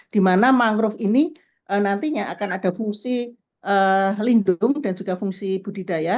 di mana mangrove ini nantinya akan ada fungsi lindung dan juga fungsi budidaya